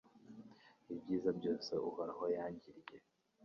Ibyiza byose Uhoraho yangiriye